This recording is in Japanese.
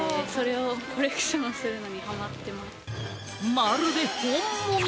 まるで本物？